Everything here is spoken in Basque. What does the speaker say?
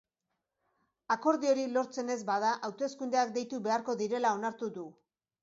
Akordiorik lortzen ez bada, hauteskundeak deitu beharko direla onartu du.